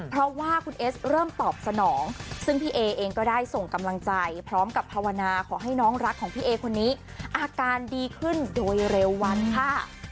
เพราะว่าคุณเอสเริ่มตอบสนองซึ่งพี่เอเองก็ได้ส่งกำลังใจพร้อมกับภาวนาขอให้น้องรักของพี่เอคนนี้อาการดีขึ้นโดยเร็ววันค่ะ